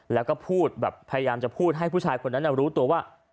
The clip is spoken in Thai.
แล้วก็พูดแบบพยายามจะพูดให้ผู้ชายคนนั้นรู้ตัวว่า